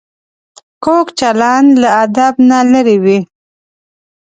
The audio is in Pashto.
کوږ چلند له ادب نه لرې وي